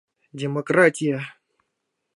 — Демократия!